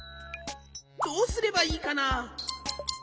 どうすればいいかな？